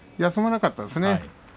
休まなかったですね